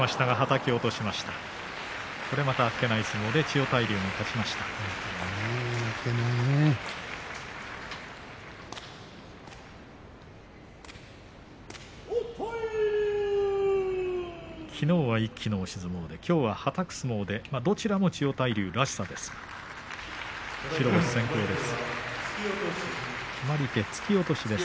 きのうは一気の押し相撲できょうは、はたく相撲でどちらも千代大龍らしさがあります。